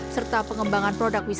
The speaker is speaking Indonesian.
serta pengembangan produk wisata